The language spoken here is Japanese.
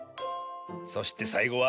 そしてさいごは。